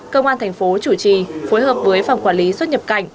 công an thành phố chủ trì phối hợp với phòng quản lý xuất nhập cảnh